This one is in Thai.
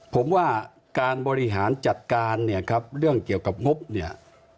ผมว่าการบริหารจัดการเรื่องเกี่ยวกับงบเนี่ย